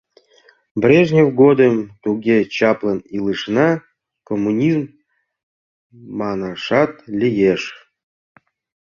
Брежнев годым туге чаплын илышна — коммунизм манашат лиеш.